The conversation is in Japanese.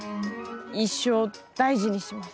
一生大事にします。